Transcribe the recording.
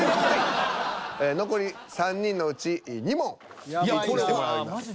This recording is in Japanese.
残り３人のうち２問一致してもらいます。